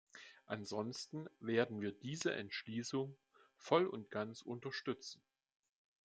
Ansonsten werden wir diese Entschließung voll und ganz unterstützen.